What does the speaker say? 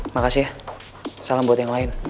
makasih ya salam buat yang lain